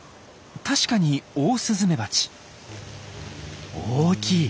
確かにオオスズメバチ。大きい！